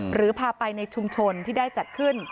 หรือพาไปในชุมชนที่ได้จัดขึ้น